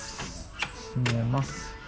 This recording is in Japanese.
閉めます。